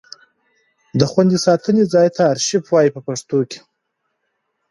د خوندي ساتنې ځای ته ارشیف وایي په پښتو ژبه.